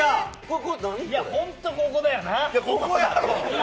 本当、ここだよな。